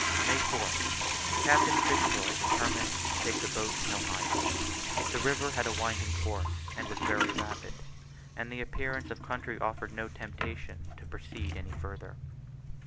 May 4th. Captain Fitz Roy determined to take the boats no higher. The river had a winding course, and was very rapid; and the appearance of the country offered no temptation to proceed any further.